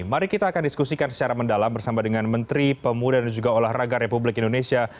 mari kita akan diskusikan secara mendalam bersama dengan menteri pemuda dan juga olahraga republik indonesia